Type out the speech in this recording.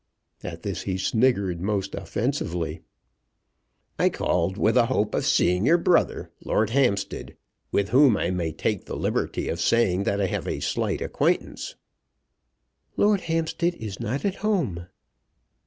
At this he sniggered most offensively. "I called with a hope of seeing your brother, Lord Hampstead, with whom I may take the liberty of saying that I have a slight acquaintance." "Lord Hampstead is not at home."